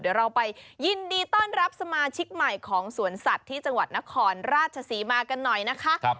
เดี๋ยวเราไปยินดีต้อนรับสมาชิกใหม่ของสวนสัตว์ที่จังหวัดนครราชศรีมากันหน่อยนะคะ